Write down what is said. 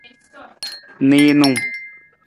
Niinung.